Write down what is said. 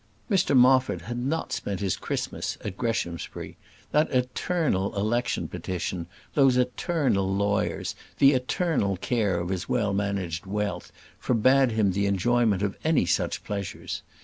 Mr Moffat had not spent his Christmas at Greshamsbury. That eternal election petition, those eternal lawyers, the eternal care of his well managed wealth, forbade him the enjoyment of any such pleasures.